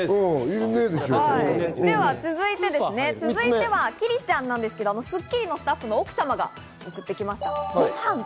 続いてキリちゃんなんですが、『スッキリ』のスタッフの奥様が送ってくれました。